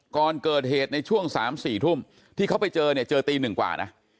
ก่อนเกิดเหตุในช่วง๓๔ทุ่มที่เขาไปเจอเนี่ยเจอตีหนึ่งกว่านะ